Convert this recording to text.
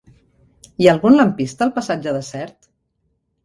Hi ha algun lampista al passatge de Sert?